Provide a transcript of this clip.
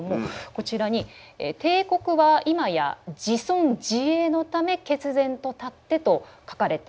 こちらに「帝国は今や自存自衛のため決然と起って」と書かれているんですね。